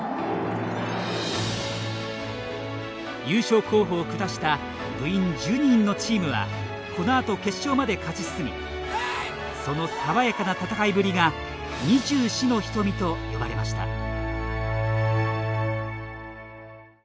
優勝候補を下した部員１２人のチームはこのあと決勝まで勝ち進みそのさわやかな戦いぶりが「２４の瞳」と呼ばれました。